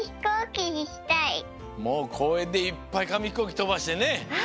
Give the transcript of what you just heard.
もうこうえんでいっぱいかみひこうきとばしてね。